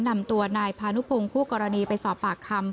นำตัวนายพานุพงศ์คู่กรณีไปสอบปากคำ